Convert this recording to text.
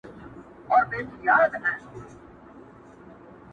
خالقه ورځي څه سوې توري شپې دي چي راځي!.